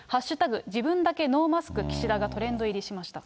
自分だけノーマスク岸田がトレンド入りしました。